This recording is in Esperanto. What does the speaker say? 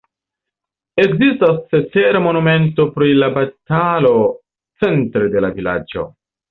Ekzistas cetere monumento pri la batalo centre de la vilaĝo.